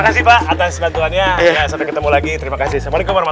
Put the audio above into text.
kasih sekali atas bantuannya oh iya harusnya kita yang berterima kasih sudah dibantu sama